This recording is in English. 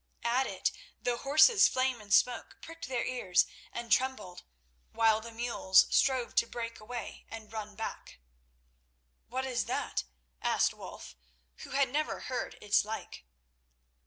At it the horses Flame and Smoke pricked their ears and trembled, while the mules strove to break away and run back. "What is that?" asked Wulf, who had never heard its like.